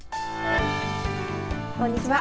こんにちは。